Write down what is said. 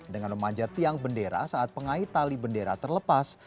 dengan memanjat tiang bendera saat pengait tali bendera terlepas